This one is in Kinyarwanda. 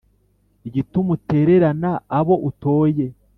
igituma utererana abo utoye,